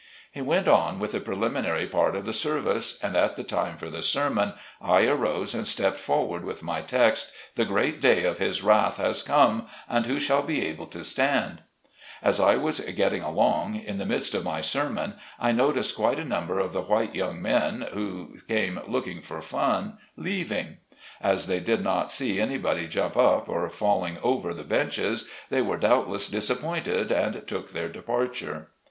He went on with the preliminary part of the ser vice, and at the time for the sermon, I arose and stepped forward with my text :" The great day of his wrath has come, and who shall be able to stand ?" As I was getting along, in the midst of my sermon, I noticed quite a number of the white young men, who came looking for fun, leaving. As they did not see anybody jump up, or falling over the benches, they were doubtless disappointed and took their departure.